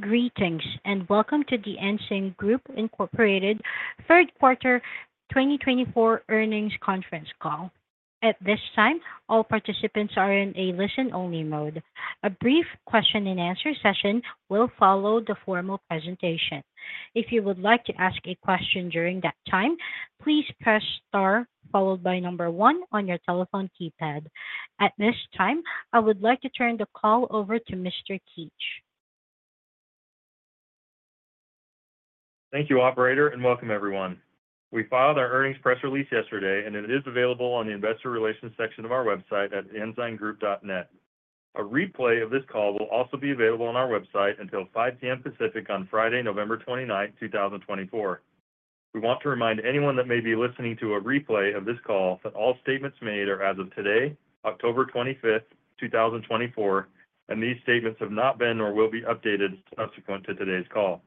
Greetings, and welcome to The Ensign Group Incorporated Third Quarter 2024 Earnings Conference Call. At this time, all participants are in a listen-only mode. A brief question-and-answer session will follow the formal presentation. If you would like to ask a question during that time, please press star followed by number one on your telephone keypad. At this time, I would like to turn the call over to Mr. Keetch. Thank you, operator, and welcome everyone. We filed our earnings press release yesterday, and it is available on the investor relations section of our website at ensigngroup.net. A replay of this call will also be available on our website until 5:00 P.M. Pacific on Friday, November 29th, 2024. We want to remind anyone that may be listening to a replay of this call that all statements made are as of today, October 25th, 2024, and these statements have not been or will be updated subsequent to today's call.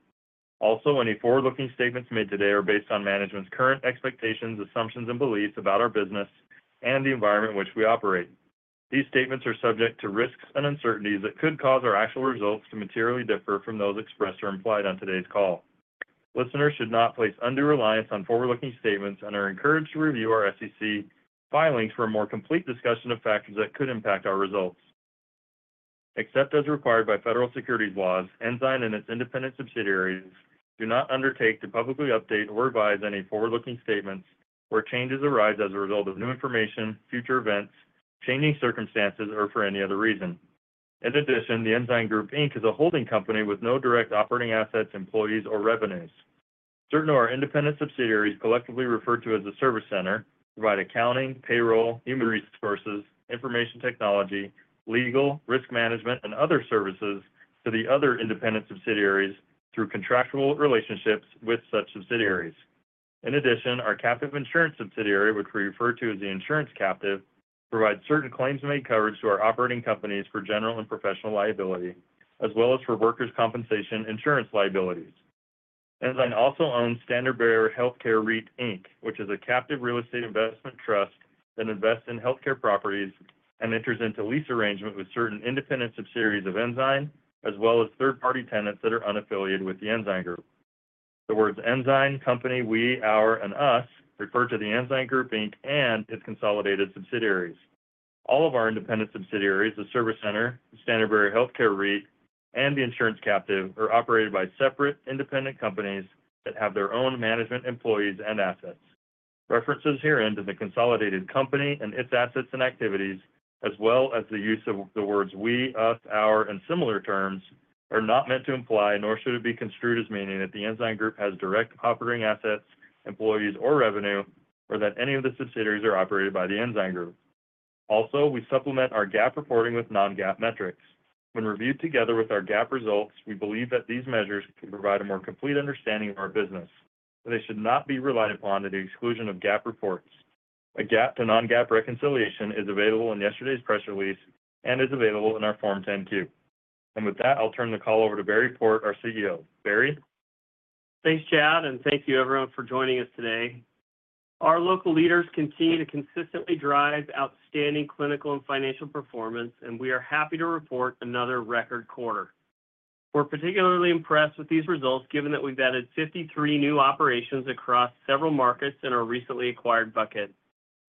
Also, any forward-looking statements made today are based on management's current expectations, assumptions, and beliefs about our business and the environment in which we operate. These statements are subject to risks and uncertainties that could cause our actual results to materially differ from those expressed or implied on today's call. Listeners should not place undue reliance on forward-looking statements and are encouraged to review our SEC filings for a more complete discussion of factors that could impact our results. Except as required by federal securities laws, Ensign and its independent subsidiaries do not undertake to publicly update or revise any forward-looking statements where changes arise as a result of new information, future events, changing circumstances, or for any other reason. In addition, the Ensign Group, Inc. is a holding company with no direct operating assets, employees, or revenues. Certain of our independent subsidiaries, collectively referred to as the Service Center, provide accounting, payroll, human resources, information technology, legal, risk management, and other services to the other independent subsidiaries through contractual relationships with such subsidiaries. In addition, our captive insurance subsidiary, which we refer to as the Insurance Captive, provides certain claims-made coverage to our operating companies for general and professional liability, as well as for workers' compensation insurance liabilities. Ensign also owns Standard Bearer Healthcare REIT, Inc., which is a captive real estate investment trust that invests in healthcare properties and enters into lease arrangement with certain independent subsidiaries of Ensign, as well as third-party tenants that are unaffiliated with the Ensign Group. The words Ensign, company, we, our, and us refer to the Ensign Group, Inc., and its consolidated subsidiaries. All of our independent subsidiaries, the Service Center, the Standard Bearer Healthcare REIT, and the Insurance Captive, are operated by separate independent companies that have their own management, employees, and assets. References herein to the consolidated company and its assets and activities, as well as the use of the words we, us, our, and similar terms, are not meant to imply, nor should it be construed as meaning, that the Ensign Group has direct operating assets, employees, or revenue, or that any of the subsidiaries are operated by the Ensign Group. Also, we supplement our GAAP reporting with non-GAAP metrics. When reviewed together with our GAAP results, we believe that these measures can provide a more complete understanding of our business, but they should not be relied upon to the exclusion of GAAP reports. A GAAP to non-GAAP reconciliation is available in yesterday's press release and is available in our Form 10-Q. And with that, I'll turn the call over to Barry Port, our CEO. Barry? Thanks, Chad, and thank you everyone for joining us today. Our local leaders continue to consistently drive outstanding clinical and financial performance, and we are happy to report another record quarter. We're particularly impressed with these results, given that we've added 53 new operations across several markets in our recently acquired bucket.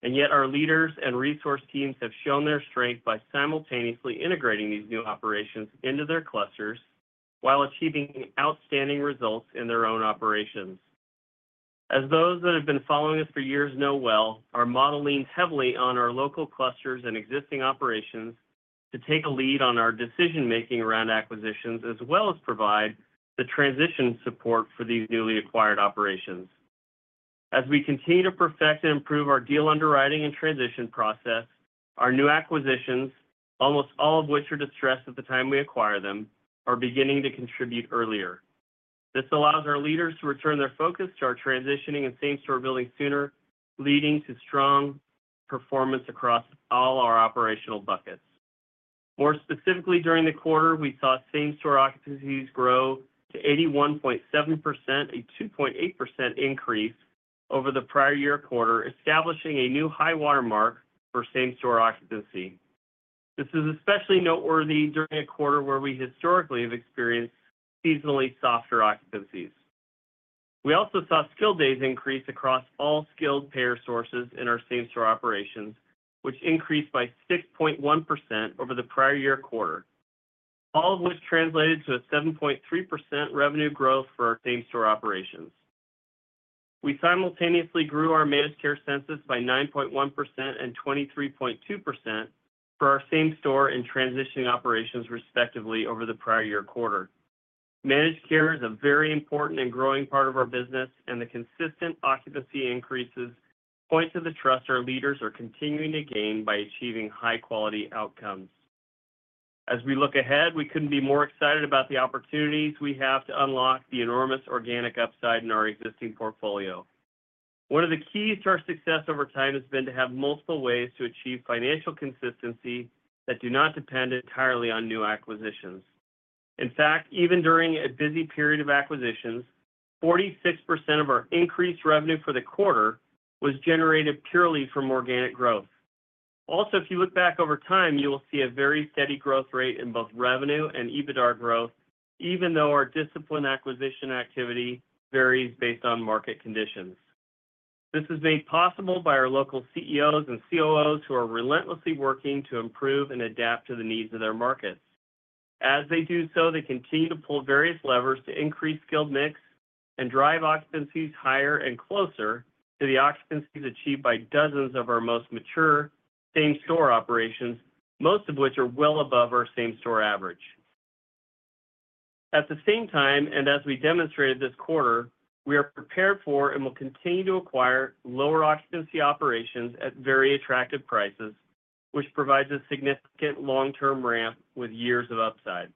And yet, our leaders and resource teams have shown their strength by simultaneously integrating these new operations into their clusters while achieving outstanding results in their own operations. As those that have been following us for years know well, our model leans heavily on our local clusters and existing operations to take a lead on our decision-making around acquisitions, as well as provide the transition support for these newly acquired operations. As we continue to perfect and improve our deal underwriting and transition process, our new acquisitions, almost all of which are distressed at the time we acquire them, are beginning to contribute earlier. This allows our leaders to return their focus to our transitioning and same-store building sooner, leading to strong performance across all our operational buckets. More specifically, during the quarter, we saw same-store occupancies grow to 81.7%, a 2.8% increase over the prior year quarter, establishing a new high watermark for same-store occupancy. This is especially noteworthy during a quarter where we historically have experienced seasonally softer occupancies. We also saw skilled days increase across all skilled payer sources in our same-store operations, which increased by 6.1% over the prior year quarter. All of which translated to a 7.3% revenue growth for our same-store operations. We simultaneously grew our managed care census by 9.1% and 23.2% for our same-store and transitioning operations, respectively, over the prior year quarter. Managed care is a very important and growing part of our business, and the consistent occupancy increases point to the trust our leaders are continuing to gain by achieving high-quality outcomes. As we look ahead, we couldn't be more excited about the opportunities we have to unlock the enormous organic upside in our existing portfolio. One of the keys to our success over time has been to have multiple ways to achieve financial consistency that do not depend entirely on new acquisitions. In fact, even during a busy period of acquisitions, 46% of our increased revenue for the quarter was generated purely from organic growth. Also, if you look back over time, you will see a very steady growth rate in both revenue and EBITDA growth, even though our disciplined acquisition activity varies based on market conditions. This is made possible by our local CEOs and COOs, who are relentlessly working to improve and adapt to the needs of their markets. As they do so, they continue to pull various levers to increase skilled mix and drive occupancies higher and closer to the occupancies achieved by dozens of our most mature same-store operations, most of which are well above our same-store average. At the same time, and as we demonstrated this quarter, we are prepared for and will continue to acquire lower occupancy operations at very attractive prices, which provides a significant long-term ramp with years of upside.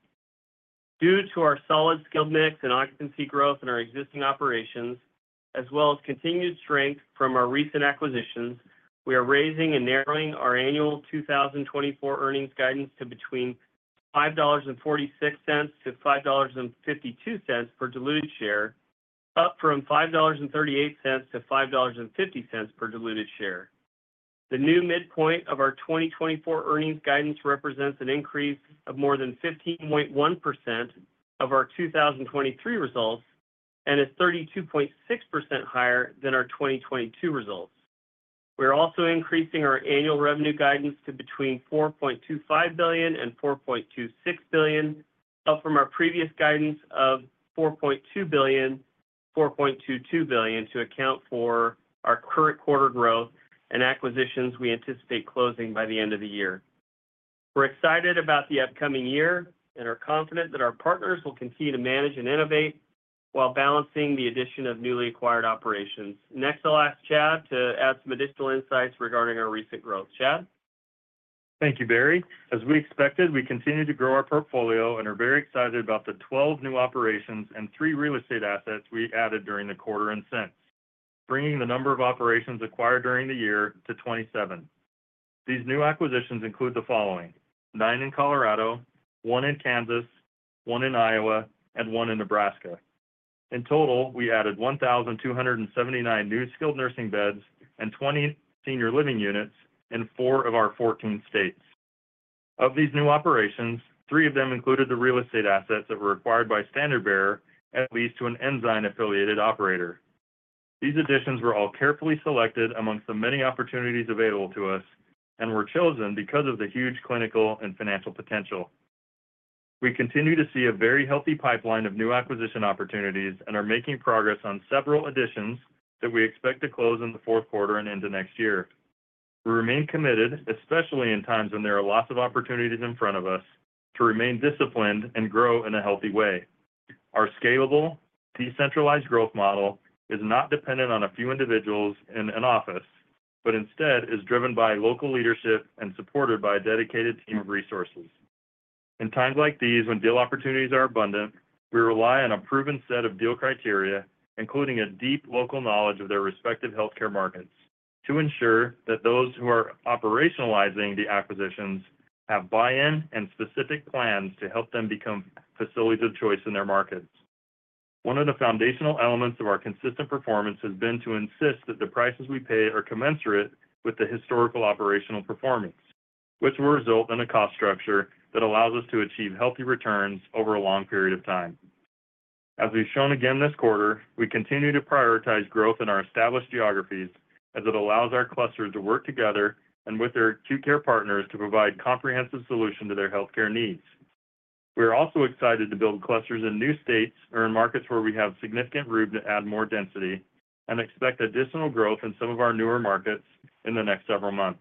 Due to our solid skilled mix and occupancy growth in our existing operations, as well as continued strength from our recent acquisitions, we are raising and narrowing our annual 2024 earnings guidance to between $5.46-$5.52 per diluted share, up from $5.38-$5.50 per diluted share. The new midpoint of our 2024 earnings guidance represents an increase of more than 15.1% of our 2023 results and is 32.6% higher than our 2022 results. We are also increasing our annual revenue guidance to between $4.25 billion and $4.26 billion, up from our previous guidance of $4.2 billion-$4.22 billion, to account for our current quarter growth and acquisitions we anticipate closing by the end of the year. We're excited about the upcoming year and are confident that our partners will continue to manage and innovate while balancing the addition of newly acquired operations. Next, I'll ask Chad to add some additional insights regarding our recent growth. Chad? Thank you, Barry. As we expected, we continued to grow our portfolio and are very excited about the 12 new operations and three real estate assets we added during the quarter and since, bringing the number of operations acquired during the year to 27. These new acquisitions include the following: nine in Colorado, one in Kansas, one in Iowa, and one in Nebraska. In total, we added 1,279 new skilled nursing beds and 20 senior living units in 4 of our 14 states. Of these new operations, three of them included the real estate assets that were acquired by Standard Bearer and leased to an Ensign-affiliated operator. These additions were all carefully selected amongst the many opportunities available to us and were chosen because of the huge clinical and financial potential. We continue to see a very healthy pipeline of new acquisition opportunities and are making progress on several additions that we expect to close in the fourth quarter and into next year. We remain committed, especially in times when there are lots of opportunities in front of us, to remain disciplined and grow in a healthy way. Our scalable, decentralized growth model is not dependent on a few individuals in an office, but instead is driven by local leadership and supported by a dedicated team of resources. In times like these, when deal opportunities are abundant, we rely on a proven set of deal criteria, including a deep local knowledge of their respective healthcare markets, to ensure that those who are operationalizing the acquisitions have buy-in and specific plans to help them become facilities of choice in their markets. One of the foundational elements of our consistent performance has been to insist that the prices we pay are commensurate with the historical operational performance, which will result in a cost structure that allows us to achieve healthy returns over a long period of time. As we've shown again this quarter, we continue to prioritize growth in our established geographies as it allows our clusters to work together and with their acute care partners to provide comprehensive solution to their healthcare needs. We are also excited to build clusters in new states or in markets where we have significant room to add more density and expect additional growth in some of our newer markets in the next several months.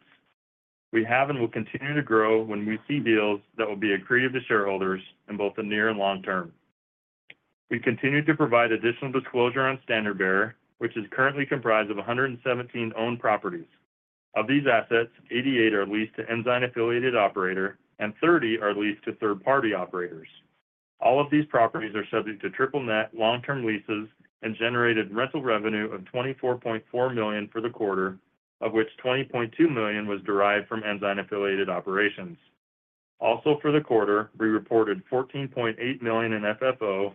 We have and will continue to grow when we see deals that will be accretive to shareholders in both the near and long term. We continue to provide additional disclosure on Standard Bearer, which is currently comprised of 117 owned properties. Of these assets, 88 are leased to Ensign-affiliated operator, and 30 are leased to third-party operators. All of these properties are subject to triple net long-term leases and generated rental revenue of $24.4 million for the quarter, of which $20.2 million was derived from Ensign-affiliated operations. Also, for the quarter, we reported $14.8 million in FFO,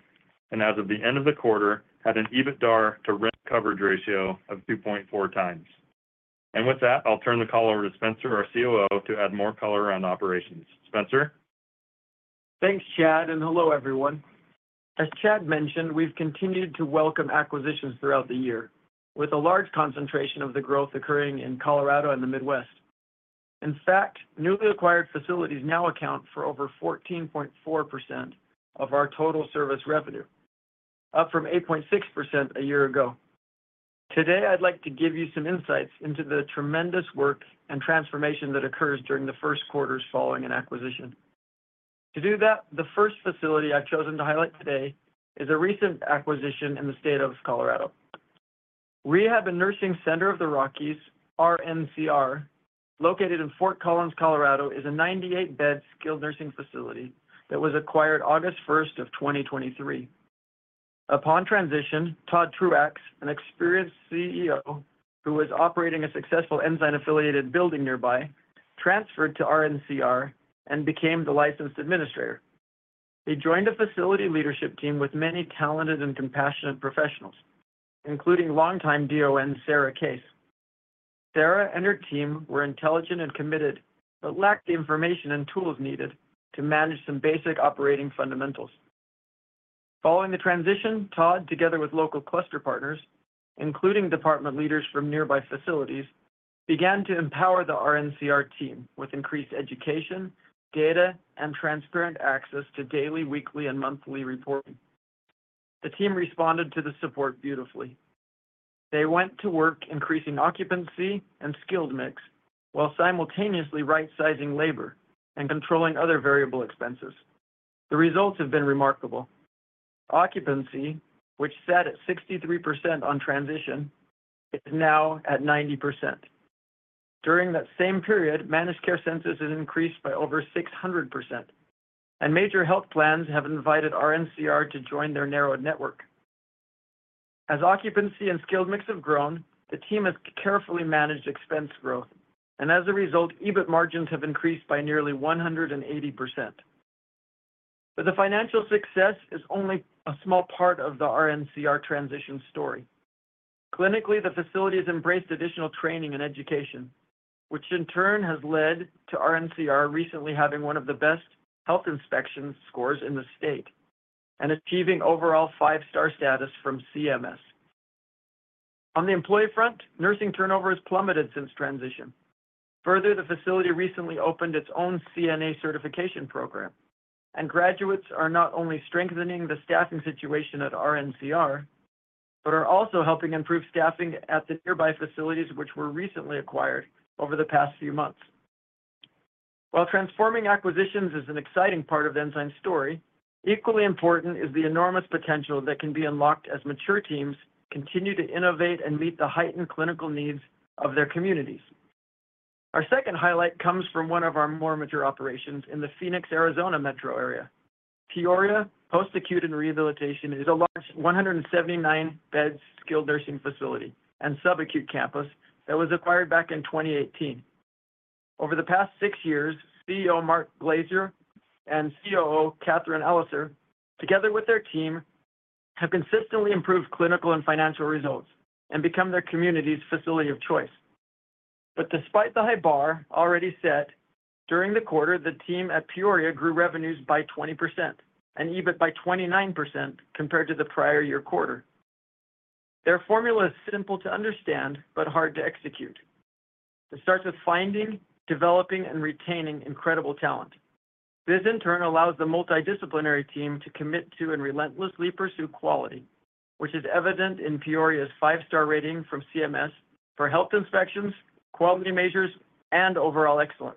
and as of the end of the quarter, had an EBITDA to rent coverage ratio of 2.4 times. And with that, I'll turn the call over to Spencer, our COO, to add more color around operations. Spencer? Thanks, Chad, and hello, everyone. As Chad mentioned, we've continued to welcome acquisitions throughout the year, with a large concentration of the growth occurring in Colorado and the Midwest. In fact, newly acquired facilities now account for over 14.4% of our total service revenue, up from 8.6% a year ago. Today, I'd like to give you some insights into the tremendous work and transformation that occurs during the first quarters following an acquisition. To do that, the first facility I've chosen to highlight today is a recent acquisition in the state of Colorado. Rehab and Nursing Center of the Rockies, RNCR, located in Fort Collins, Colorado, is a 98-bed skilled nursing facility that was acquired August 1st of 2023. Upon transition, Todd Truax, an experienced CEO who was operating a successful Ensign-affiliated building nearby, transferred to RNCR and became the licensed administrator. He joined a facility leadership team with many talented and compassionate professionals, including longtime DON, Sarah Case. Sarah and her team were intelligent and committed, but lacked the information and tools needed to manage some basic operating fundamentals. Following the transition, Todd, together with local cluster partners, including department leaders from nearby facilities, began to empower the RNCR team with increased education, data, and transparent access to daily, weekly, and monthly reporting. The team responded to the support beautifully. They went to work increasing occupancy and skilled mix, while simultaneously right-sizing labor and controlling other variable expenses. The results have been remarkable. Occupancy, which sat at 63% on transition, is now at 90%. During that same period, managed care census has increased by over 600%, and major health plans have invited RNCR to join their narrowed network. As occupancy and skilled mix have grown, the team has carefully managed expense growth, and as a result, EBIT margins have increased by nearly 180%. But the financial success is only a small part of the RNCR transition story. Clinically, the facility has embraced additional training and education, which in turn has led to RNCR recently having one of the best health inspection scores in the state and achieving overall five-star status from CMS. On the employee front, nursing turnover has plummeted since transition. Further, the facility recently opened its own CNA certification program, and graduates are not only strengthening the staffing situation at RNCR, but are also helping improve staffing at the nearby facilities, which were recently acquired over the past few months. While transforming acquisitions is an exciting part of the Ensign story, equally important is the enormous potential that can be unlocked as mature teams continue to innovate and meet the heightened clinical needs of their communities. Our second highlight comes from one of our more mature operations in the Phoenix, Arizona metro area. Peoria Post-Acute and Rehabilitation is a large 179-bed skilled nursing facility and sub-acute campus that was acquired back in 2018. Over the past six years, CEO Mark Glazier and COO Catherine Elliser, together with their team, have consistently improved clinical and financial results and become their community's facility of choice. But despite the high bar already set, during the quarter, the team at Peoria grew revenues by 20% and EBIT by 29% compared to the prior year quarter. Their formula is simple to understand but hard to execute. It starts with finding, developing, and retaining incredible talent. This, in turn, allows the multidisciplinary team to commit to and relentlessly pursue quality, which is evident in Peoria's five-star rating from CMS for health inspections, quality measures, and overall excellence.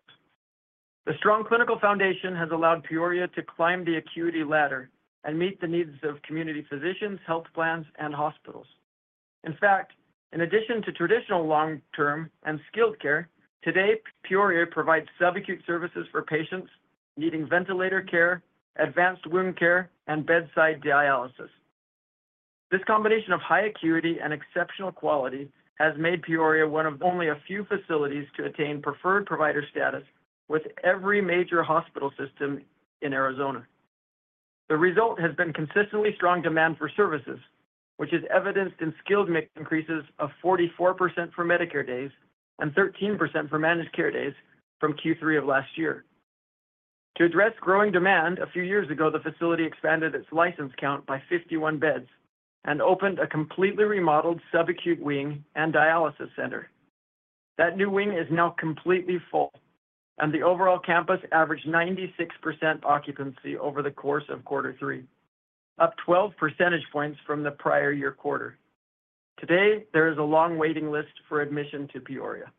The strong clinical foundation has allowed Peoria to climb the acuity ladder and meet the needs of community physicians, health plans, and hospitals. In fact, in addition to traditional long-term and skilled care, today, Peoria provides sub-acute services for patients needing ventilator care, advanced wound care, and bedside dialysis. This combination of high acuity and exceptional quality has made Peoria one of only a few facilities to attain preferred provider status with every major hospital system in Arizona. The result has been consistently strong demand for services, which is evidenced in skilled mix increases of 44% for Medicare days and 13% for managed care days from Q3 of last year. To address growing demand, a few years ago, the facility expanded its license count by 51 beds and opened a completely remodeled sub-acute wing and dialysis center. That new wing is now completely full, and the overall campus averaged 96% occupancy over the course of quarter three, up twelve percentage points from the prior year quarter. Today, there is a long waiting list for admission to Peoria.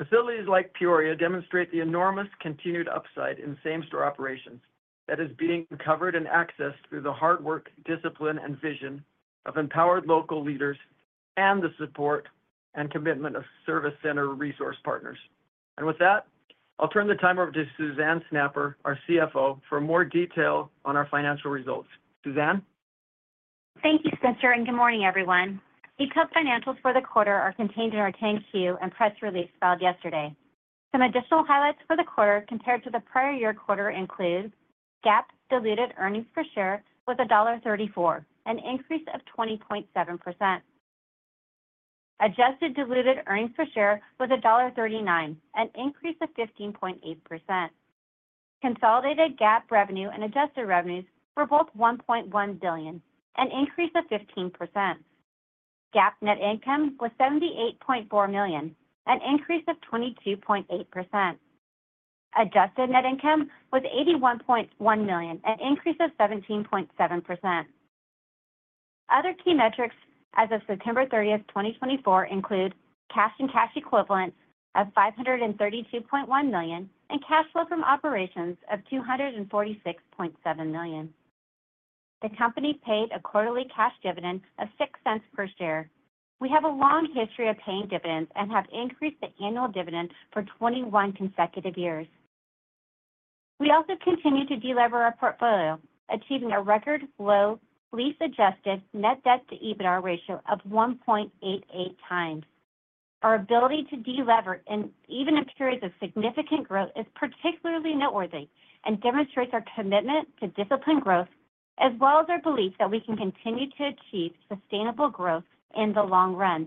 Facilities like Peoria demonstrate the enormous continued upside in same-store operations that is being covered and accessed through the hard work, discipline, and vision of empowered local leaders and the support and commitment of Service Center resource partners. And with that, I'll turn the time over to Suzanne Snapper, our CFO, for more detail on our financial results. Suzanne? Thank you, Spencer, and good morning, everyone. Detailed financials for the quarter are contained in our 10-Q and press release filed yesterday. Some additional highlights for the quarter compared to the prior year quarter include GAAP diluted earnings per share was $1.34, an increase of 20.7%. Adjusted diluted earnings per share was $1.39, an increase of 15.8%. Consolidated GAAP revenue and adjusted revenues were both $1.1 billion, an increase of 15%. GAAP net income was $78.4 million, an increase of 22.8%. Adjusted net income was $81.1 million, an increase of 17.7%. Other key metrics as of September thirtieth, 2024, include cash and cash equivalents of $532.1 million, and cash flow from operations of $246.7 million. The company paid a quarterly cash dividend of $0.06 per share. We have a long history of paying dividends and have increased the annual dividend for 21 consecutive years... We also continue to delever our portfolio, achieving a record low lease-adjusted net debt to EBITDA ratio of 1.88x. Our ability to delever, even in periods of significant growth is particularly noteworthy and demonstrates our commitment to disciplined growth, as well as our belief that we can continue to achieve sustainable growth in the long run.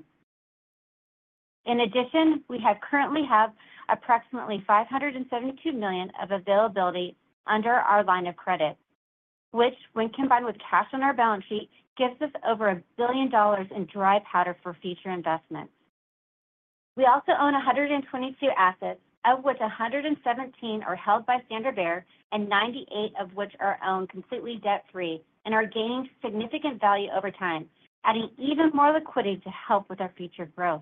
In addition, we currently have approximately $572 million of availability under our line of credit, which, when combined with cash on our balance sheet, gives us over $1 billion in dry powder for future investments. We also own 122 assets, of which 117 are held by Standard Bearer, and 98 of which are owned completely debt-free and are gaining significant value over time, adding even more liquidity to help with our future growth.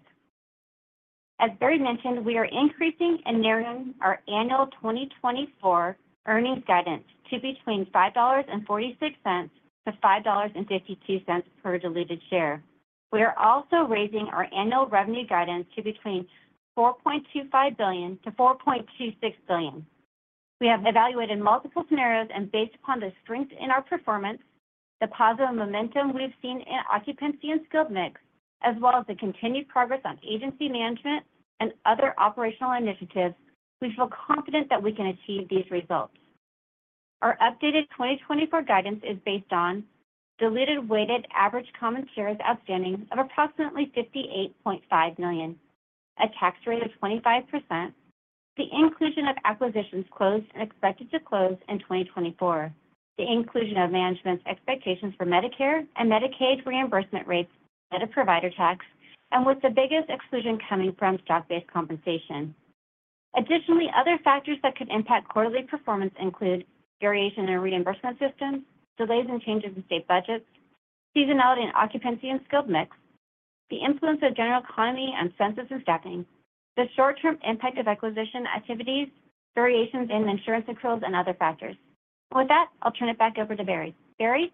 As Barry mentioned, we are increasing and narrowing our annual 2024 earnings guidance to between $5.46-$5.52 per diluted share. We are also raising our annual revenue guidance to between $4.25 billion-$4.26 billion. We have evaluated multiple scenarios, and based upon the strength in our performance, the positive momentum we've seen in occupancy and skilled mix, as well as the continued progress on agency management and other operational initiatives, we feel confident that we can achieve these results. Our updated 2024 guidance is based on diluted weighted average common shares outstanding of approximately 58.5 million, a tax rate of 25%, the inclusion of acquisitions closed and expected to close in 2024, the inclusion of management's expectations for Medicare and Medicaid reimbursement rates net of provider tax, and with the biggest exclusion coming from stock-based compensation. Additionally, other factors that could impact quarterly performance include variation in reimbursement systems, delays and changes in state budgets, seasonality and occupancy and skilled mix, the influence of general economy and census and staffing, the short-term impact of acquisition activities, variations in insurance accruals, and other factors. With that, I'll turn it back over to Barry. Barry?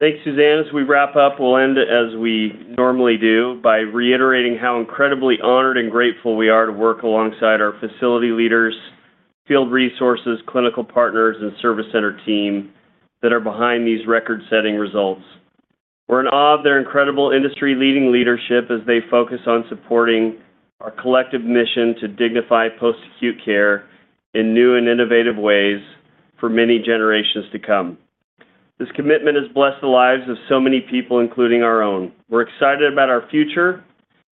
Thanks, Suzanne. As we wrap up, we'll end as we normally do by reiterating how incredibly honored and grateful we are to work alongside our facility leaders, field resources, clinical partners, and Service Center team that are behind these record-setting results. We're in awe of their incredible industry-leading leadership as they focus on supporting our collective mission to dignify post-acute care in new and innovative ways for many generations to come. This commitment has blessed the lives of so many people, including our own. We're excited about our future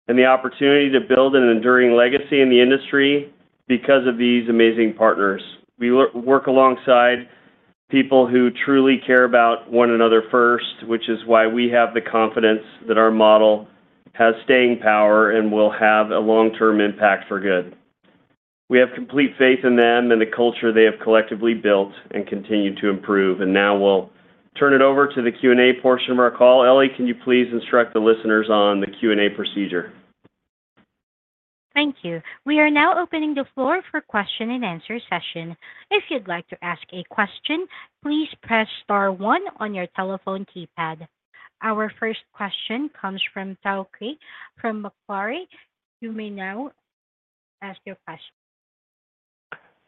and the opportunity to build an enduring legacy in the industry because of these amazing partners. We work alongside people who truly care about one another first, which is why we have the confidence that our model has staying power and will have a long-term impact for good. We have complete faith in them and the culture they have collectively built and continue to improve. And now we'll turn it over to the Q&A portion of our call. Ellie, can you please instruct the listeners on the Q&A procedure? Thank you. We are now opening the floor for question and answer session. If you'd like to ask a question, please press star one on your telephone keypad. Our first question comes from Tao Qiu from Macquarie. You may now ask your question.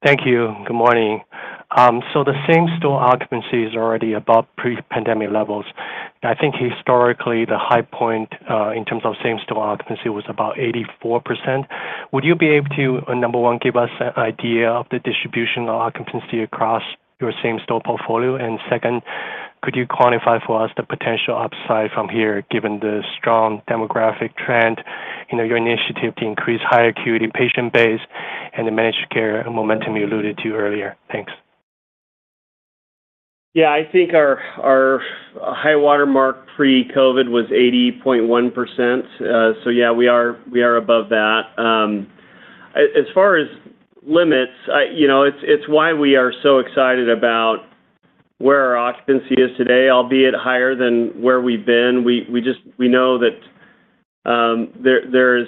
Thank you. Good morning. So the same-store occupancy is already above pre-pandemic levels. I think historically, the high point in terms of same-store occupancy was about 84%. Would you be able to, number one, give us an idea of the distribution or occupancy across your same-store portfolio? And second, could you quantify for us the potential upside from here, given the strong demographic trend, you know, your initiative to increase higher acuity patient base and the managed care and momentum you alluded to earlier? Thanks. Yeah, I think our high-water mark pre-COVID was 80.1%. So yeah, we are above that. As far as limits, I, you know, it's why we are so excited about where our occupancy is today, albeit higher than where we've been. We just, we know that, there's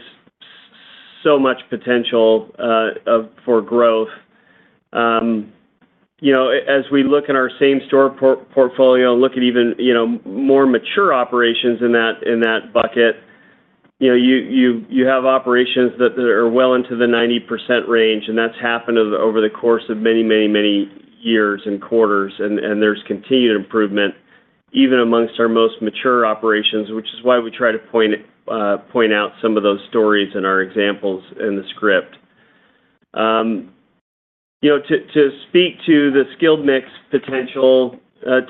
so much potential for growth. You know, as we look at our same-store portfolio, look at even, you know, more mature operations in that bucket, you know, you have operations that are well into the 90% range, and that's happened over the course of many years and quarters, and there's continued improvement, even amongst our most mature operations, which is why we try to point out some of those stories in our examples in the script. You know, to speak to the skilled mix potential,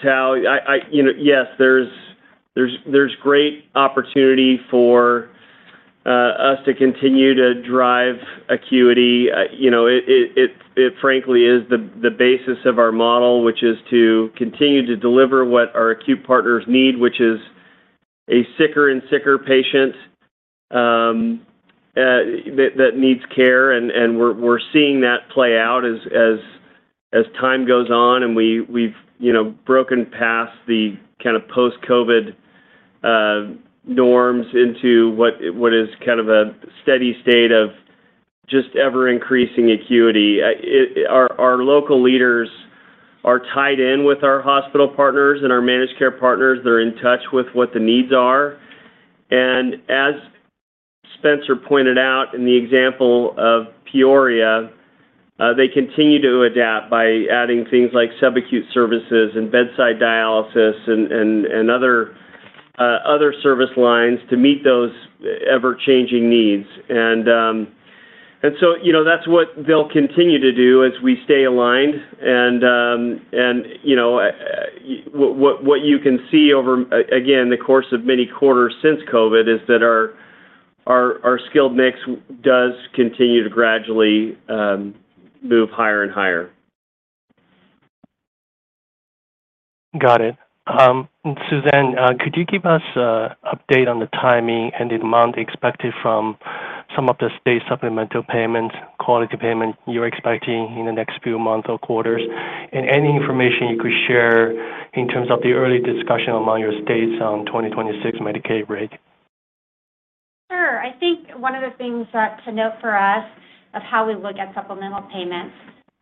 Tao, I. You know, yes, there's great opportunity for us to continue to drive acuity. You know, it frankly is the basis of our model, which is to continue to deliver what our acute partners need, which is a sicker and sicker patient that needs care, and we're seeing that play out as time goes on, and we've you know, broken past the kinda post-COVID norms into what is kind of a steady state of just ever-increasing acuity. Our local leaders are tied in with our hospital partners and our managed care partners. They're in touch with what the needs are. And as- ...Spencer pointed out in the example of Peoria. They continue to adapt by adding things like subacute services and bedside dialysis and other service lines to meet those ever-changing needs. So, you know, that's what they'll continue to do as we stay aligned. You know, what you can see over again the course of many quarters since COVID is that our skilled mix does continue to gradually move higher and higher. Got it. Suzanne, could you give us an update on the timing and the amount expected from some of the state supplemental payments, quality payments you're expecting in the next few months or quarters, and any information you could share in terms of the early discussion among your states on 2026 Medicaid rate? Sure. I think one of the things that to note for us of how we look at supplemental payments,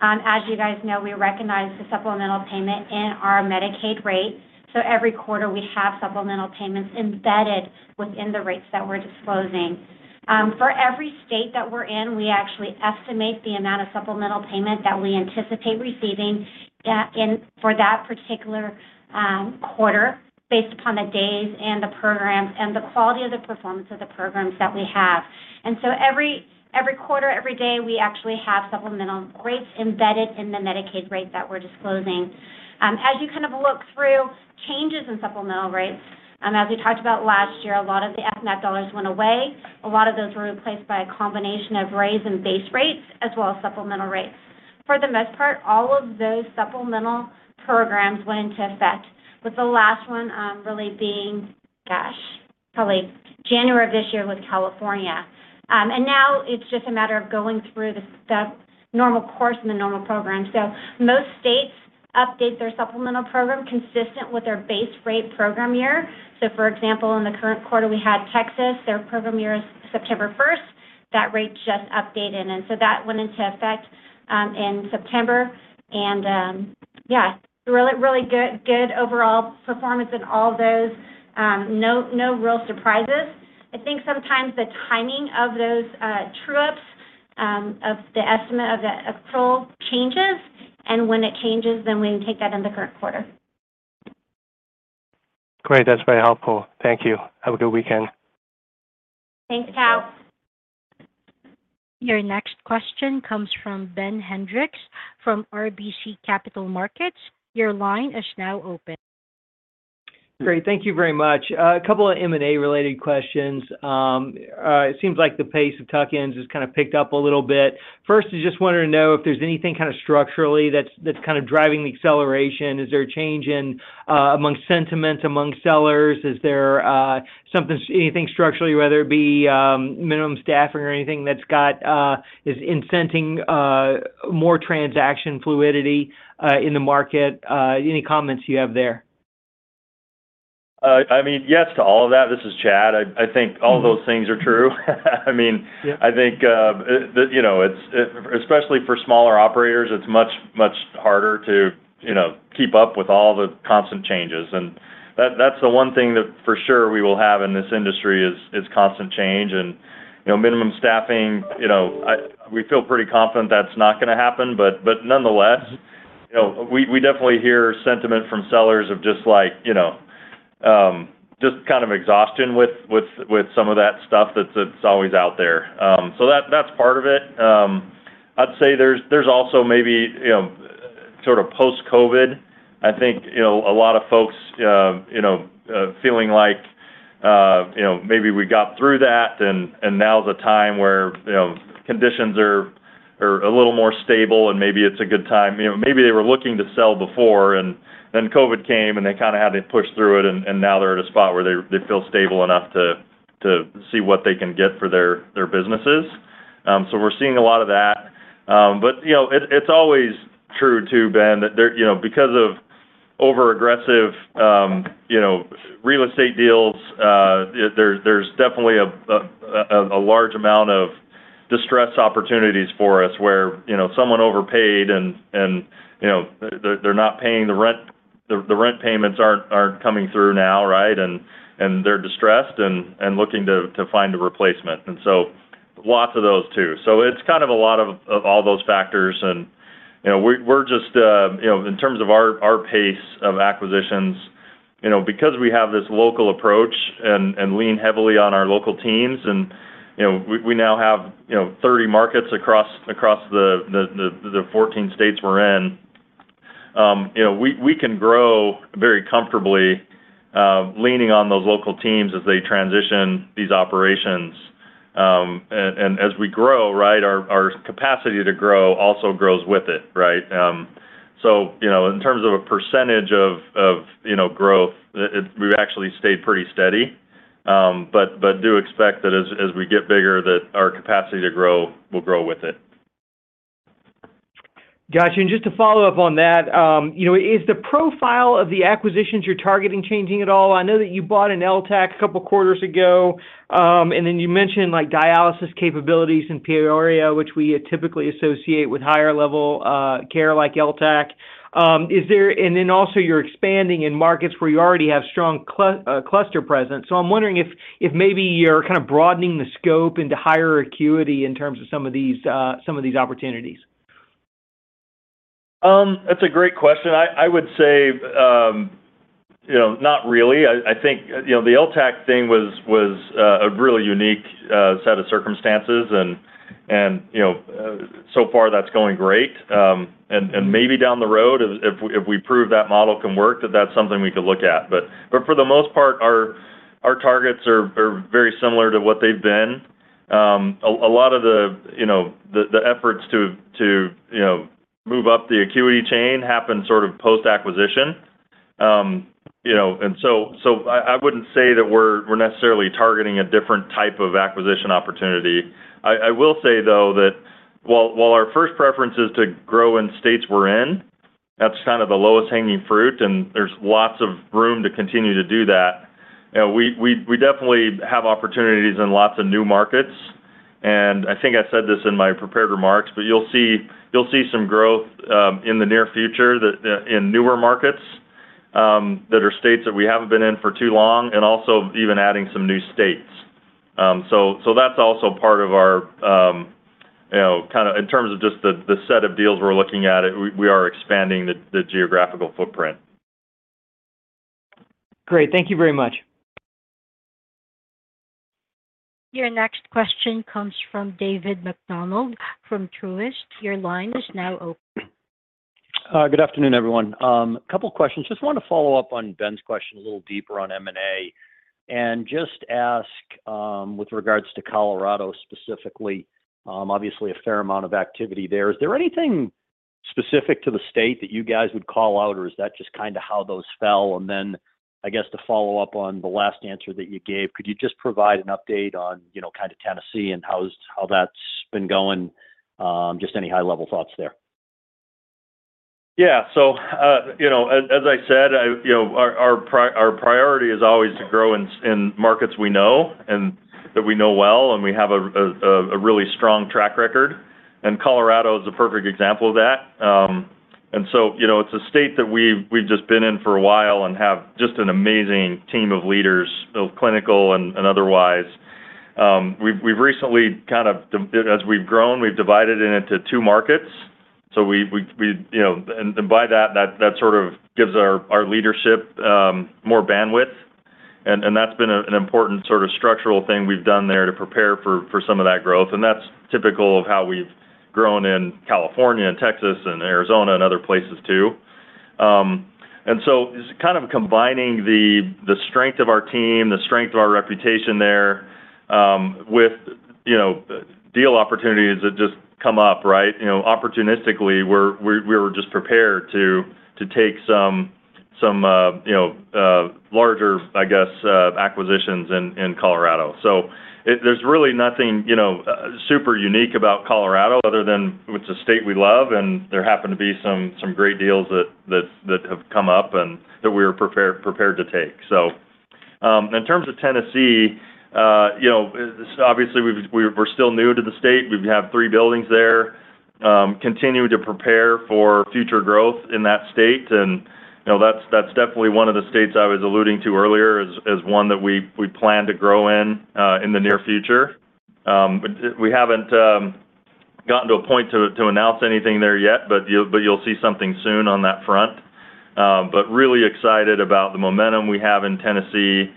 as you guys know, we recognize the supplemental payment in our Medicaid rate, so every quarter we have supplemental payments embedded within the rates that we're disclosing. For every state that we're in, we actually estimate the amount of supplemental payment that we anticipate receiving in for that particular quarter, based upon the days, and the programs, and the quality of the performance of the programs that we have. So every quarter, every day, we actually have supplemental rates embedded in the Medicaid rate that we're disclosing. As you kind of look through changes in supplemental rates, as we talked about last year, a lot of the FMAP dollars went away. A lot of those were replaced by a combination of rates and base rates, as well as supplemental rates. For the most part, all of those supplemental programs went into effect, with the last one, really being, gosh, probably January of this year with California. And now it's just a matter of going through the step, normal course and the normal program. Most states update their supplemental program consistent with their base rate program year. For example, in the current quarter, we had Texas. Their program year is September first. That rate just updated, and so that went into effect in September. And, yeah, really good overall performance in all those, no real surprises. I think sometimes the timing of those true-ups of the estimate of the approval changes, and when it changes, then we take that in the current quarter. Great. That's very helpful. Thank you. Have a good weekend. Thanks, Tao. Your next question comes from Ben Hendrix from RBC Capital Markets. Your line is now open. Great. Thank you very much. A couple of M&A related questions. It seems like the pace of tuck-ins has kind of picked up a little bit. First, I just wanted to know if there's anything kind of structurally that's driving the acceleration. Is there a change in sentiment among sellers? Is there something, anything structurally, whether it be minimum staffing or anything that's incenting more transaction fluidity in the market? Any comments you have there? I mean, yes to all of that. This is Chad. I think all those things are true. I mean. Yeah. I think, you know, it's especially for smaller operators, it's much, much harder to, you know, keep up with all the constant changes, and that, that's the one thing that for sure we will have in this industry is constant change. And, you know, minimum staffing, you know, we feel pretty confident that's not gonna happen. But nonetheless, you know, we definitely hear sentiment from sellers of just like, you know, just kind of exhaustion with some of that stuff that's always out there. So that, that's part of it. I'd say there's also maybe, you know, sort of post-COVID. I think, you know, a lot of folks, you know, feeling like, you know, maybe we got through that and now is the time where, you know, conditions are a little more stable, and maybe it's a good time. You know, maybe they were looking to sell before, and then COVID came, and they kinda had to push through it, and now they're at a spot where they feel stable enough to see what they can get for their businesses, so we're seeing a lot of that, but you know, it's always true too, Ben, that there you know because of overaggressive you know real estate deals, there's definitely a large amount of distressed opportunities for us where you know someone overpaid and you know they're not paying the rent. The rent payments aren't coming through now, right? And they're distressed and looking to find a replacement, and so lots of those, too. So it's kind of a lot of all those factors and, you know, we're just, you know, in terms of our pace of acquisitions, you know, because we have this local approach and lean heavily on our local teams, and, you know, we now have, you know, thirty markets across the fourteen states we're in. You know, we can grow very comfortably, leaning on those local teams as they transition these operations. And as we grow, right, our capacity to grow also grows with it, right? So, you know, in terms of a percentage of you know, growth, we've actually stayed pretty steady. But do expect that as we get bigger, that our capacity to grow will grow with it. Got you. And just to follow up on that, you know, is the profile of the acquisitions you're targeting, changing at all? I know that you bought an LTAC a couple of quarters ago. And then you mentioned, like, dialysis capabilities in Peoria, which we typically associate with higher-level care, like LTAC. ... is there, and then also you're expanding in markets where you already have strong cluster presence. So I'm wondering if, if maybe you're kind of broadening the scope into higher acuity in terms of some of these, some of these opportunities? That's a great question. I would say, you know, not really. I think, you know, the LTAC thing was a really unique set of circumstances, and you know so far that's going great, and maybe down the road, if we prove that model can work, that's something we could look at, but for the most part, our targets are very similar to what they've been. A lot of, you know, the efforts to, you know, move up the acuity chain happen sort of post-acquisition, you know, and so I wouldn't say that we're necessarily targeting a different type of acquisition opportunity. I will say, though, that while our first preference is to grow in states we're in, that's kind of the lowest hanging fruit, and there's lots of room to continue to do that. We definitely have opportunities in lots of new markets, and I think I said this in my prepared remarks, but you'll see some growth in the near future that in newer markets that are states that we haven't been in for too long, and also even adding some new states. So that's also part of our, you know, kind of in terms of just the set of deals we're looking at, we are expanding the geographical footprint. Great. Thank you very much. Your next question comes from David MacDonald from Truist. Your line is now open. Good afternoon, everyone. A couple questions. Just want to follow up on Ben's question, a little deeper on M&A, and just ask, with regards to Colorado specifically, obviously, a fair amount of activity there. Is there anything specific to the state that you guys would call out, or is that just kinda how those fell? And then, I guess, to follow up on the last answer that you gave, could you just provide an update on, you know, kind of Tennessee and how that's been going? Just any high-level thoughts there. Yeah. So, you know, as I said, you know, our priority is always to grow in markets we know and that we know well, and we have a really strong track record, and Colorado is a perfect example of that. And so, you know, it's a state that we've just been in for a while and have just an amazing team of leaders, both clinical and otherwise. We've recently kind of, as we've grown, we've divided it into two markets. So we, you know, and by that sort of gives our leadership more bandwidth, and that's been an important sort of structural thing we've done there to prepare for some of that growth. That's typical of how we've grown in California, and Texas, and Arizona, and other places, too. And so just kind of combining the strength of our team, the strength of our reputation there, with you know, deal opportunities that just come up, right? You know, opportunistically, we're just prepared to take some you know larger, I guess, acquisitions in Colorado. So there's really nothing you know super unique about Colorado other than it's a state we love, and there happened to be some great deals that have come up and that we're prepared to take. So in terms of Tennessee, you know obviously, we're still new to the state. We have three buildings there. Continuing to prepare for future growth in that state, and, you know, that's definitely one of the states I was alluding to earlier as one that we plan to grow in in the near future. But we haven't gotten to a point to announce anything there yet, but you'll see something soon on that front. But really excited about the momentum we have in Tennessee.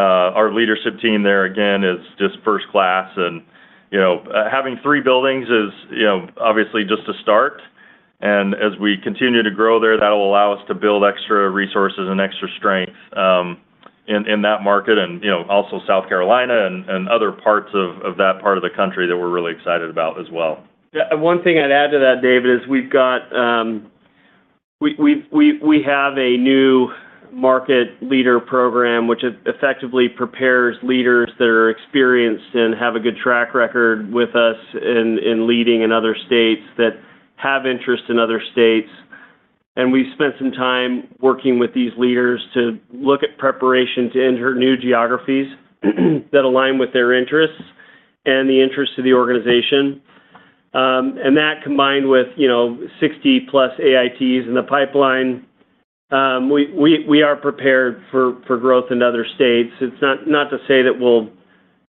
Our leadership team there, again, is just first class and, you know, having three buildings is, you know, obviously just a start. As we continue to grow there, that'll allow us to build extra resources and extra strength in that market and, you know, also South Carolina and other parts of that part of the country that we're really excited about as well. Yeah, and one thing I'd add to that, David, is we've got. We have a new market leader program, which effectively prepares leaders that are experienced and have a good track record with us in leading in other states, that have interest in other states. And we've spent some time working with these leaders to look at preparation to enter new geographies, that align with their interests and the interests of the organization. And that, combined with, you know, sixty plus AITs in the pipeline, we are prepared for growth in other states. It's not to say that we'll,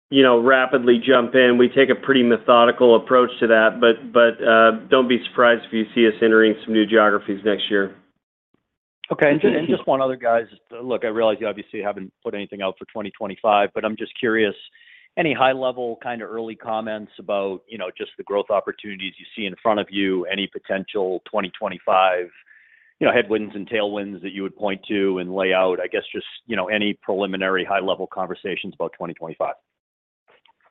you know, rapidly jump in. We take a pretty methodical approach to that, but don't be surprised if you see us entering some new geographies next year. Okay, and just one other, guys. Look, I realize you obviously haven't put anything out for 2025, but I'm just curious, any high level, kind of early comments about, you know, just the growth opportunities you see in front of you? Any potential 2025, you know, headwinds and tailwinds that you would point to and lay out? I guess just, you know, any preliminary high-level conversations about 2025.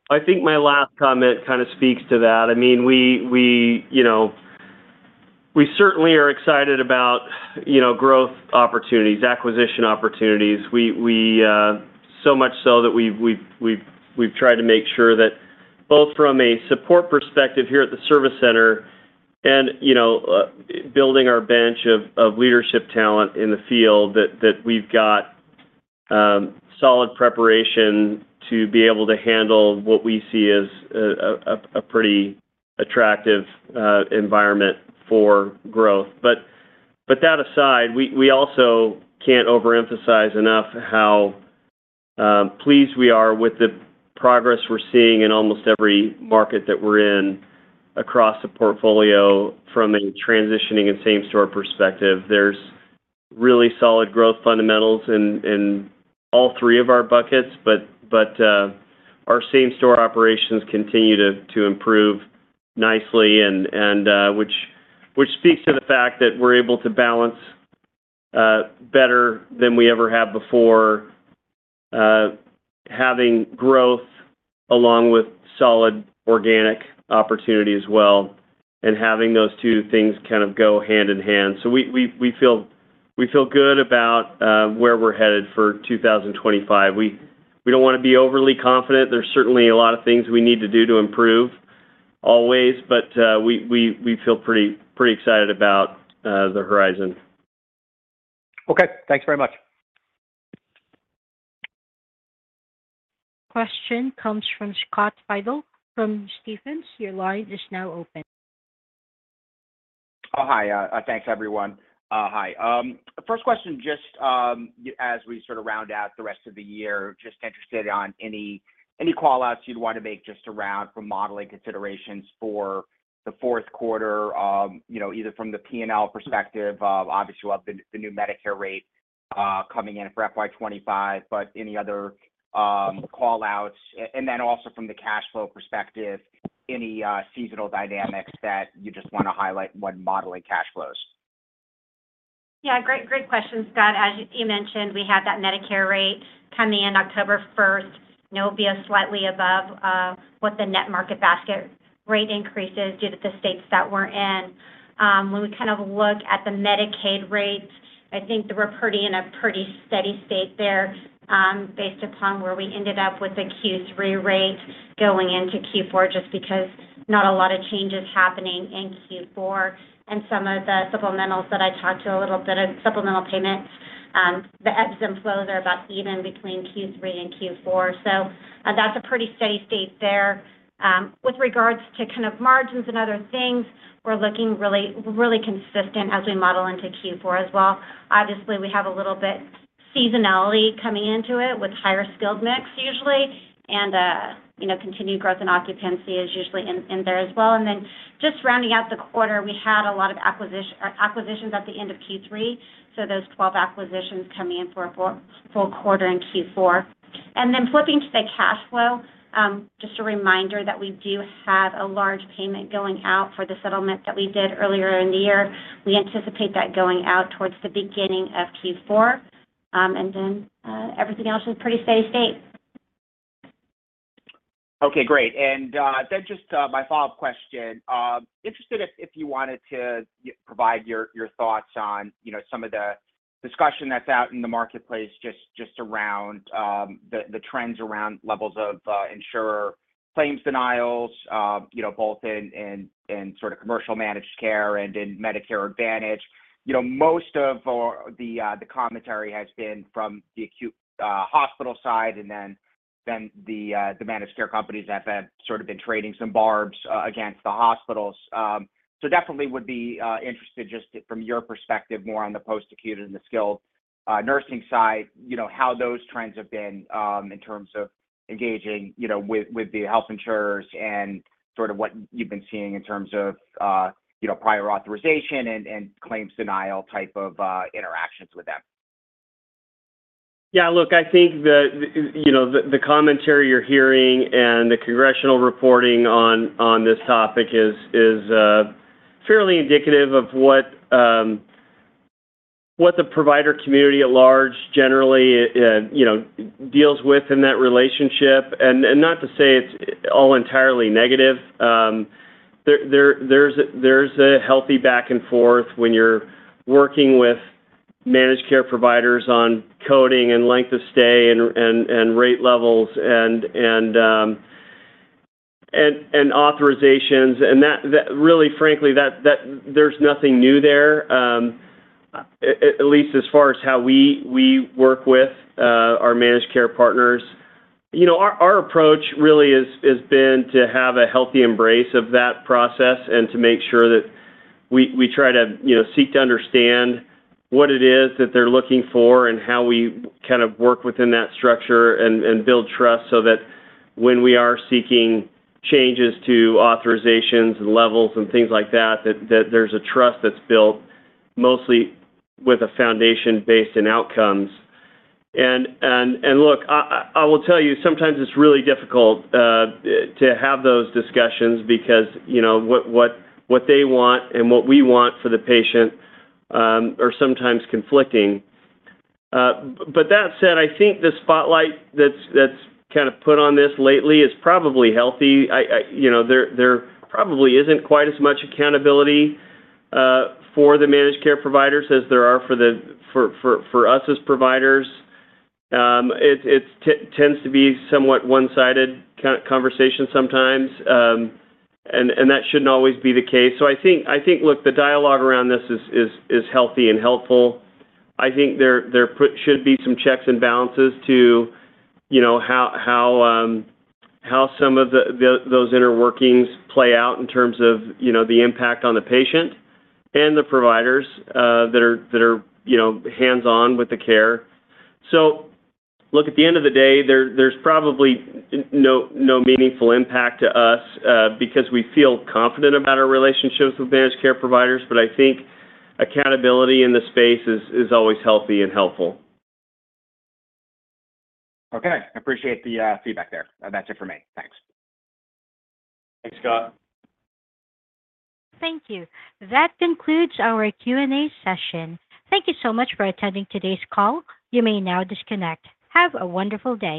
I think my last comment kind of speaks to that. I mean, you know, we certainly are excited about, you know, growth opportunities, acquisition opportunities. So much so that we've tried to make sure that both from a support perspective here at the Service Center and, you know, building our bench of leadership talent in the field, that we've got solid preparation to be able to handle what we see as a pretty attractive environment for growth. But that aside, we also can't overemphasize enough how pleased we are with the progress we're seeing in almost every market that we're in across the portfolio from a transitioning and same-store perspective. There's really solid growth fundamentals in all three of our buckets, but our same-store operations continue to improve nicely and which speaks to the fact that we're able to balance better than we ever have before. Having growth along with solid organic opportunity as well, and having those two things kind of go hand in hand. So we feel good about where we're headed for 2025. We don't wanna be overly confident. There's certainly a lot of things we need to do to improve, always, but we feel pretty excited about the horizon. Okay. Thanks very much. Question comes from Scott Fidel from Stephens. Your line is now open. Oh, hi. Thanks, everyone. Hi. First question, just, as we sort of round out the rest of the year, just interested on any, any call-outs you'd want to make just around for modeling considerations for the fourth quarter, you know, either from the P&L perspective of, obviously, you have the new Medicare rate coming in for FY 2025, but any other call-outs? And then also from the cash flow perspective, any seasonal dynamics that you just wanna highlight when modeling cash flows? Yeah, great, great question, Scott. As you mentioned, we have that Medicare rate coming in October first. It'll be slightly above what the Net Market Basket rate increases due to the states that we're in. When we kind of look at the Medicaid rates, I think that we're pretty, in a pretty steady state there, based upon where we ended up with the Q3 rate going into Q4, just because not a lot of changes happening in Q4, and some of the supplementals that I talked to a little bit of supplemental payments, the ebbs and flows are about even between Q3 and Q4, so that's a pretty steady state there. With regards to kind of margins and other things, we're looking really, really consistent as we model into Q4 as well. Obviously, we have a little bit seasonality coming into it with higher skilled mix usually, and, you know, continued growth in occupancy is usually in there as well. And then just rounding out the quarter, we had a lot of acquisitions at the end of Q3, so those 12 acquisitions coming in for a full quarter in Q4. And then flipping to the cash flow, just a reminder that we do have a large payment going out for the settlement that we did earlier in the year. We anticipate that going out towards the beginning of Q4, and then, everything else is pretty steady state. Okay, great. And then just my follow-up question, interested if you wanted to provide your thoughts on, you know, some of the discussion that's out in the marketplace just around the trends around levels of insurer claims denials, you know, both in sort of commercial managed care and in Medicare Advantage. You know, most of the commentary has been from the acute hospital side, and then the managed care companies have sort of been trading some barbs against the hospitals. Definitely would be interested, just from your perspective, more on the post-acute and the skilled nursing side, you know, how those trends have been in terms of engaging you know, with the health insurers and sort of what you've been seeing in terms of you know, prior authorization and claims denial type of interactions with them? Yeah, look, I think, you know, the commentary you're hearing and the congressional reporting on this topic is fairly indicative of what the provider community at large generally you know deals with in that relationship. And not to say it's all entirely negative. There's a healthy back and forth when you're working with managed care providers on coding and length of stay and rate levels and authorizations. And that really, frankly, there's nothing new there at least as far as how we work with our managed care partners. You know, our approach really is, has been to have a healthy embrace of that process and to make sure that we try to, you know, seek to understand what it is that they're looking for and how we kind of work within that structure and build trust so that when we are seeking changes to authorizations and levels and things like that, that there's a trust that's built mostly with a foundation based on outcomes, and look, I will tell you, sometimes it's really difficult to have those discussions because, you know, what they want and what we want for the patient are sometimes conflicting, but that said, I think the spotlight that's kind of put on this lately is probably healthy. I... You know, there probably isn't quite as much accountability for the managed care providers as there are for us as providers. It tends to be somewhat one-sided conversation sometimes, and that shouldn't always be the case. So I think, look, the dialogue around this is healthy and helpful. I think there should be some checks and balances to, you know, how some of those inner workings play out in terms of, you know, the impact on the patient and the providers that are, you know, hands-on with the care. So look, at the end of the day, there, there's probably no meaningful impact to us, because we feel confident about our relationships with managed care providers, but I think accountability in this space is always healthy and helpful. Okay. I appreciate the feedback there. That's it for me. Thanks. Thanks, Scott. Thank you. That concludes our Q&A session. Thank you so much for attending today's call. You may now disconnect. Have a wonderful day.